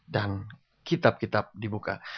dan kitab kitab dibuka